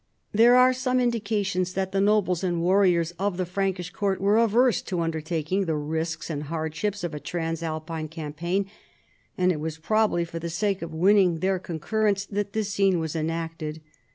There are some indications that the nobles and war riors of the Frankish Court were averse to under taking the risks and hardships of a Transalpine cam paign, and it was probably for the sake of winning their concurrence that this scene was enacted.